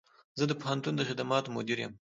زه د پوهنتون د خدماتو مدیر یم